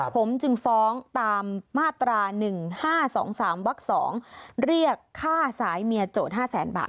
ผมจึงฟ้องตามมาตรา๑๕๒๓วัก๒เรียกค่าสายเมียโจทย์๕แสนบาท